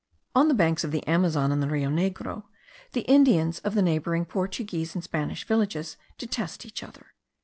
On the banks of the Amazon and the Rio Negro, the Indians of the neighbouring Portuguese and Spanish villages detest each other.